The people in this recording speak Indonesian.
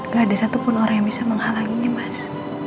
gak ada satupun orang yang bisa menghalang ini mas